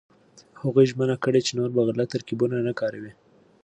هغوی ژمنه کړې چې نور به غلط ترکيبونه نه کاروي.